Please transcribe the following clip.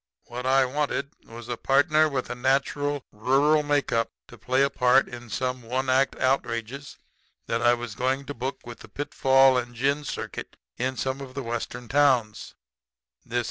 "What I wanted was a partner with a natural rural make up to play a part in some little one act outrages that I was going to book with the Pitfall & Gin circuit in some of the Western towns; and this R.